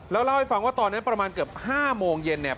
แล้วเล่าให้ฟังว่าตอนนั้นประมาณเกือบ๕โมงเย็นเนี่ย